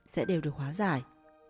sẽ đều được hóa giải